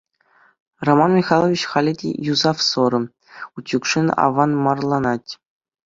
Роман Михайлович халӗ те юсавсӑр утюгшӑн аванмарланать.